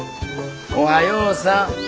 おはようさん！